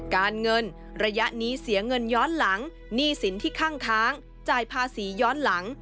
การเงินระยะนี้เสียเงินย้อนหลังหนี้สินที่ข้างจ่ายภาษีย้อนหลัง